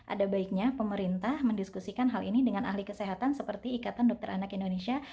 ada baiknya pemerintah mendiskusikan hal ini dengan ahli kesehatan seperti ikatan dokter anak indonesia